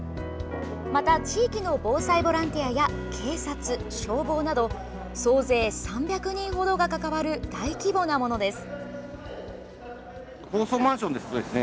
また地域の防災ボランティアや警察、消防など総勢３００人程が関わる大規模なものです。